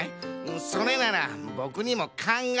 それならボクにもかんがえがあるで！